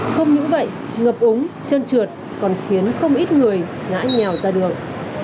không những vậy ngập úng chân trượt còn khiến không ít người ngã nhào ra đường